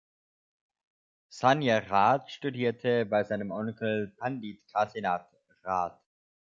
Sanjay Rath studierte bei seinem Onkel Pandit Kasinath Rath.